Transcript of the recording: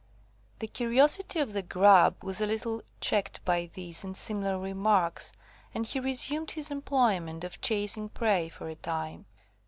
The curiosity of the Grub was a little checked by these and similar remarks, and he resumed his employment of chasing prey for a time.